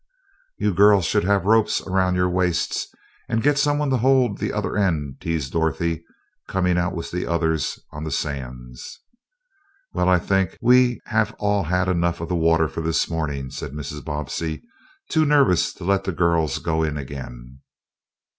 "You girls should have ropes around your waists, and get someone to hold the other end," teased Dorothy, coming out with the others on the sands. "Well, I think we have all had enough of the water for this morning," said Mrs. Bobbsey, too nervous to let the girls go in again.